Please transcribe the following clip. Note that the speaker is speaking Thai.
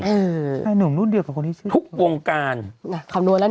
ใช่หนึ่งรูปเดียวกับคนที่ชื่อทุกวงการ